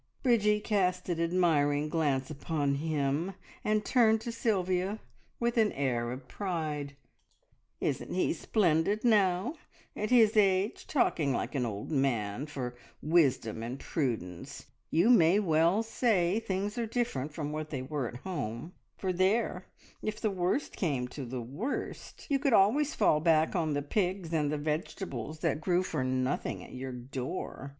Bridgie cast an admiring glance upon him, and turned to Sylvia with an air of pride. "Isn't he splendid, now, at his age, talking like an old man for wisdom and prudence! You may well say things are different from what they were at home, for there, if the worst came to the worst, you could always fall back on the pigs and the vegetables that grew for nothing at your door.